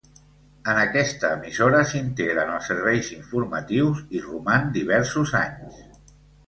En aquesta emissora s'integra en els serveis informatius, i roman diversos anys.